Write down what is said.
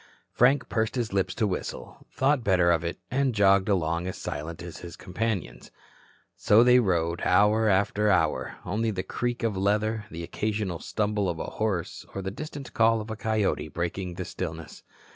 Frank pursed his lips to whistle, thought better of it, and jogged along as silent as his companions. So they rode hour after hour, only the creak of leather, the occasional stumble of a horse or the distant call of a coyote breaking the stillness.